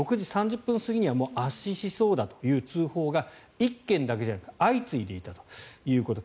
６時３０分過ぎには圧死しそうだという通報が１件だけじゃなくて相次いでいたということ。